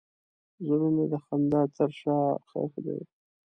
زړه مې د خندا تر شا ښخ دی.